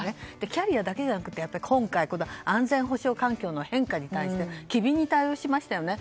キャリアだけじゃなく今回安全保障環境の変化に対して機敏に対応しましたよね。